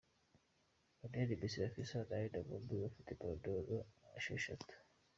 Lionel Messi na Cristiano Ronaldo bombi bafite Ballon d’or esheshatu.